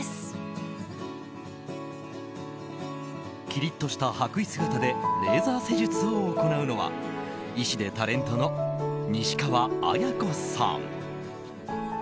きりっとした白衣姿でレーザー施術を行うのは医師でタレントの西川史子さん。